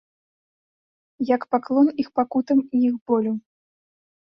Як паклон іх пакутам і іх болю.